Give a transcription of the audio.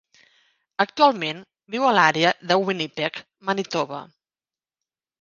Actualment viu a l'àrea de Winnipeg, Manitoba.